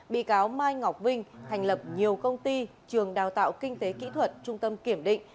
bị cáo mai ngọc vinh thành lập nhiều công ty trường đào tạo kinh tế kỹ thuật trung tâm kiểm định